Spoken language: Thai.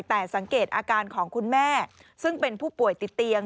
แต่สังเกตอาการของคุณแม่ซึ่งเป็นผู้ป่วยติดเตียง